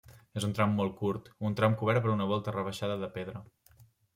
És un tram molt curt, un tram cobert per una volta rebaixada de pedra.